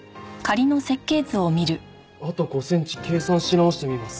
あと５センチ計算し直してみます。